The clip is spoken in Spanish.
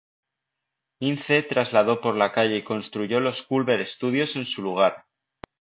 Ince trasladó por la calle y construyó los Culver Studios en ese lugar.